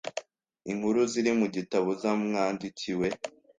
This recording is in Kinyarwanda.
Inkuru ziri mu gitabo zamwandikiwe.